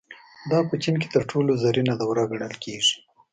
دا په چین کې تر ټولو زرینه دوره ګڼل کېږي.